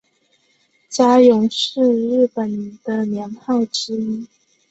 嘉永是日本的年号之一。